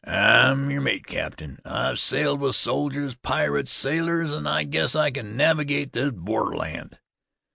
"I'm yer mate, cap'n. I've sailed with soldiers, pirates, sailors, an' I guess I can navigate this borderland.